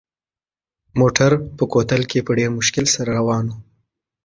موټر په کوتل کې په ډېر مشکل سره روان و.